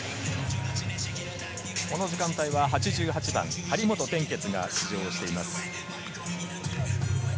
この時間帯は８８番、張本天傑が出場しています。